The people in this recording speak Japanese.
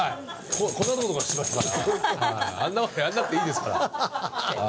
あんな事やんなくていいですから。